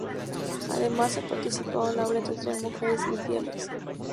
Además, ha participado en la obra teatral "Mujeres infieles".